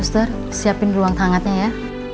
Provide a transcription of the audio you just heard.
ustur siapin ruang tangannya ya